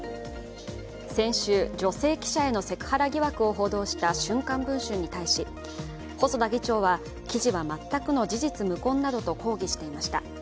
先週、女性記者へのセクハラ疑惑を報道した「週刊文春」に対し細田議長は記事は全くの事実無根などと抗議していました。